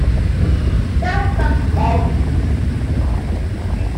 Nuts and bolts!